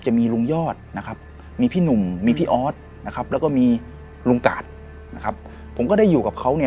จะมีลุงยอดนะครับมีพี่หนุ่มมีพี่ออสนะครับแล้วก็มีลุงกาดนะครับผมก็ได้อยู่กับเขาเนี่ย